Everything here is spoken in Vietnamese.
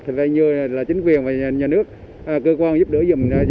thì phải như là chính quyền và nhà nước cơ quan giúp đỡ giùm cho bà con thôi